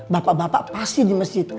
bapak bapak pasti di masjid